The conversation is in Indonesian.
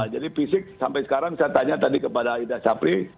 fisik sampai sekarang saya tanya tadi kepada ida sapri